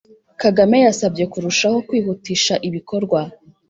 Kagame yasabye kurushaho kwihutisha ibikorwa